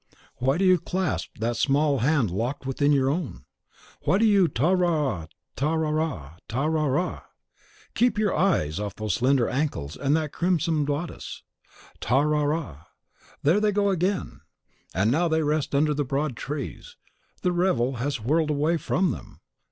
Why do you clasp that small hand locked within your own? Why do you Tara rara tara ra tara rara ra, rarara, ta ra, a ra! Keep your eyes off those slender ankles and that crimson bodice! Tara rara ra! There they go again! And now they rest under the broad trees. The revel has whirled away from them.